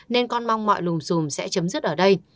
nên con mong mọi lùm xùm sẽ chấm dứt ở đây